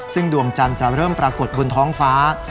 ซึ่งดวงจันทร์จะเริ่มปรากฏบนท้องฟ้า